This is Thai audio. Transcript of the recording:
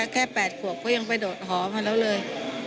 แค่๘ขวบเขายังไปโดดหอมาแล้วเลย